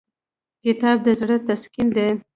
کتاب د زړه تسکین دی.